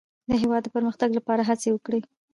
د هېواد د پرمختګ لپاره هڅې وکړئ.